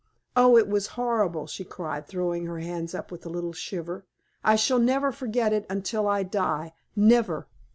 Oh, it was horrible!" she cried, throwing her hands up with a little shiver. "I shall never forget it until I die. Never!"